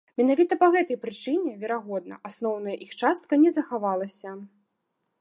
Менавіта па гэтай прычыне, верагодна, асноўная іх частка не захавалася.